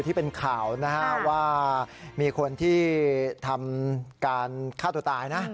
ที่เป็นข่าวนะฮะว่ามีคนที่ทำการฆ่าตัวตายนะ